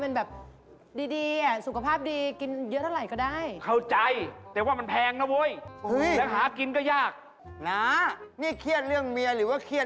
เราฝากตั้งหลายชนิด